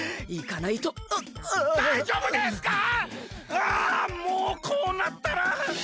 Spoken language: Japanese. ああもうこうなったら。